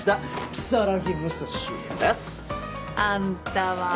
如月武蔵です。あんたは。